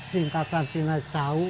singkatan kena cawuk